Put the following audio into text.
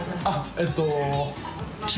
えっと。